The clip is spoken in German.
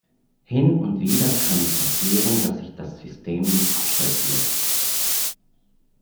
Hin und wieder kann es passieren, dass sich das System nicht abschalten lässt.